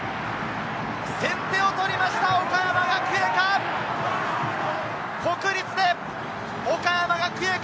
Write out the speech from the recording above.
先手を取りました、岡山学芸館！